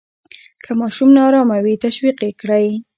که ماشوم نا آرامه وي، تشویق یې کړئ.